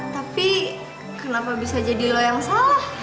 tapi kenapa bisa jadi lo yang salah